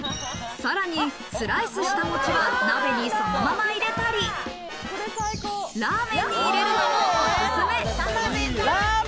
さらにスライスした餅を鍋にそのまま入れたり、ラーメンに入れるのもオススメ。